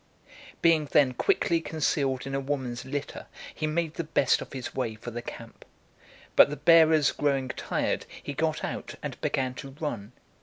Being then quickly concealed in a woman's litter, he made the best of his way for the camp. But the bearers growing tired, he got out, and began to run.